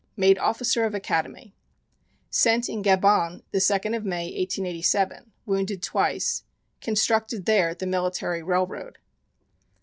Made officer of Academy. Sent in Gabon, the 2nd of May, 1887. Wounded twice. Constructed there the Military Railroad.